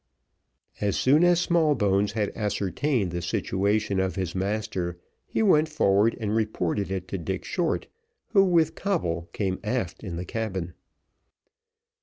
As soon as Smallbones had ascertained the situation of his master, he went forward and reported it to Dick Short, who with Coble came aft in the cabin.